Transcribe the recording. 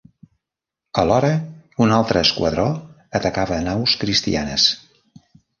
Alhora, un altre esquadró atacava naus cristianes.